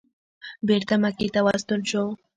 بېرته مکې ته راستون شو.